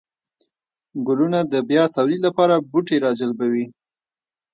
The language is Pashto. گلونه د بيا توليد لپاره بوټي راجلبوي